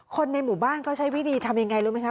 คนในหมู่บ้านเขาใช้วิธีทำยังไงรู้ไหมคะ